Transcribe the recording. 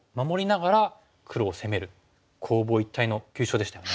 攻防一体の急所でしたよね。